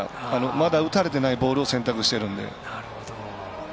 まだ打たれてないボールを選択してるんで。